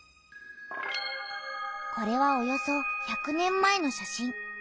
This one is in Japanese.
これはおよそ１００年前の写真。